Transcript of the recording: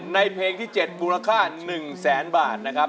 เพลงที่๗มูลค่า๑แสนบาทนะครับ